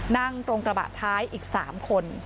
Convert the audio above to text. นั่งตรงกระบะท้ายอีก๓คน